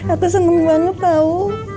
aku seneng banget tau